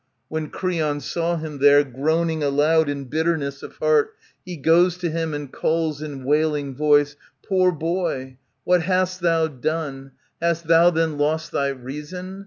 When Creon saw him there, Groaning aloud in bitterness of heart. He goes to him, and calls in wailing voice, " Poor boy ! what hast thou done ? Hast thou then lost Thy reason?